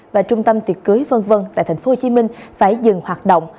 và trung tâm tiệc cưới v v tại tp hcm phải dừng hoạt động